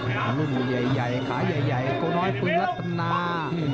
หน้ารุ่นหูใหญ่ขาใหญ่เกาหน้าปืนลตนา